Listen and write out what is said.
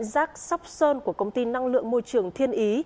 rác sóc sơn của công ty năng lượng môi trường thiên ý